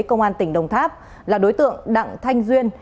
công an tỉnh đồng tháp là đối tượng đặng thanh duyên